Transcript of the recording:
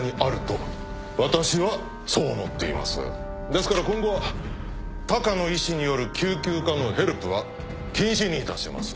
ですから今後は他科の医師による救急科のヘルプは禁止にいたします。